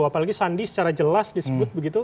apalagi sandi secara jelas disebut begitu